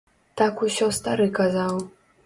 Так усё стары казаў.